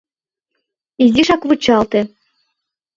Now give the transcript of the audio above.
— Изишак вучалте.